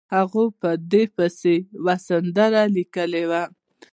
هغه په دې پسې یوه سندره لیکلې وه.